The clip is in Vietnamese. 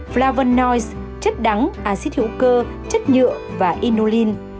flavonoids chất đắng axit hữu cơ chất nhựa và inulin